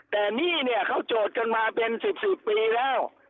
แต่นี่เนี่ยเขาโจทย์กันมาเป็น๑๐ปีแล้ว